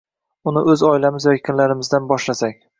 Uni o‘z oilamiz va yaqinlarimizdan boshlasak.